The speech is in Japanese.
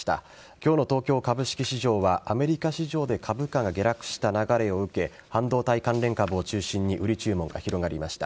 今日の東京株式市場はアメリカ市場で株価が下落した流れを受け半導体関連株を中心に売り注文が広がりました。